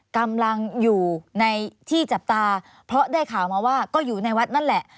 กำลังอยู่ในที่จับตาเพราะได้ข่าวมาว่าก็อยู่ในวัดนั่นแหละ